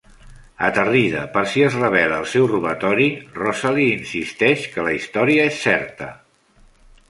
Aterrida per si es revela el seu robatori, Rosalie insisteix que la història és certa.